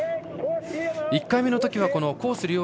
１回目のときはコース